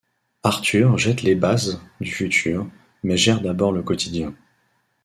Arthur jette les bases du futur, mais gère d'abord le quotidien.